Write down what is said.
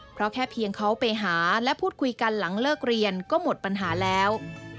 เพราะแค่เพียงเขาไปหาและพูดคุยกันหลังเลิกเรียนก็หมดปัญหาแล้ว